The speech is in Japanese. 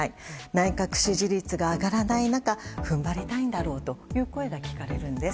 内閣支持率が上がらない中踏ん張りたいんだろうという声が聞かれるんです。